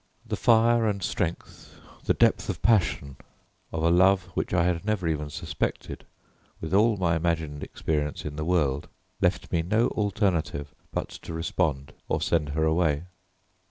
The fire and strength, the depth of passion of a love which I had never even suspected, with all my imagined experience in the world, left me no alternative but to respond or send her away.